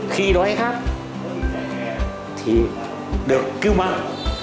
khi đói khát thì được cứu mạng